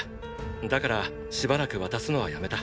だからしばらく渡すのはやめた。